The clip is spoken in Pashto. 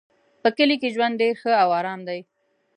په کلي کې ژوند ډېر ښه او آرام ده